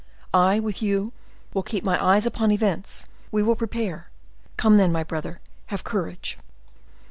I, with you, will keep my eyes upon events; we will prepare. Come, then, my brother, have courage!"